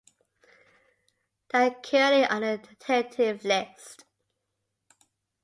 They are currently on the tentative list.